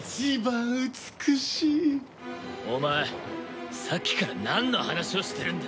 お前さっきからなんの話をしてるんだ？